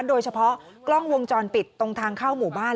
โดยเฉพาะกล้องวงจรปิดตรงทางเข้าหมู่บ้าน